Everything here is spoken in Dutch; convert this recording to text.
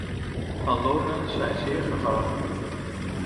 Halonen zijn zeer gevaarlijk.